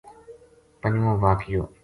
پنجیوں واقعو